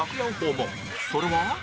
それは